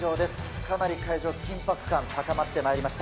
かなり会場、緊迫感高まってまいりました。